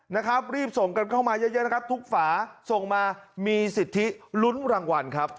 นะครับรีบส่งกันเข้ามาเยอะนะครับทุกฝาส่งมามีสิทธิลุ้นรางวัลครับ